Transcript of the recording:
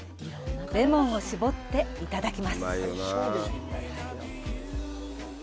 レモンを搾っていただきます。